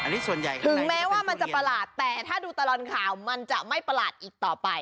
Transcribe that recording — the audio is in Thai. ถึงแม้ว่ามันจะประหลาดแต่ถ้าดูตลอดข่าวมันจะไม่ประหลาดอีกต่อไป